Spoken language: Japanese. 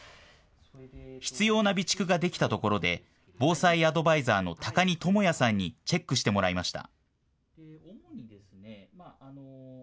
必要な備蓄ができたところで防災アドバイザーの高荷智也さんにチェックしてもらいました。